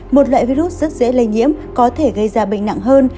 một loại virus rất dễ lây nhiễm có thể gây ra bệnh nặng hơn